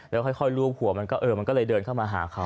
แล้วค่อยร่วมหัวมันก็เลยเดินเข้ามาหาเขา